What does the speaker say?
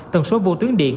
tần số vô tuyến điện